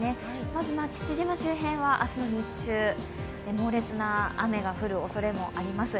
まず父島周辺は明日の日中、猛烈な雨が降るおそれもあります。